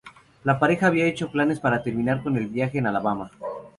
La pareja había hecho planes para terminar con el Viaje en Alabama.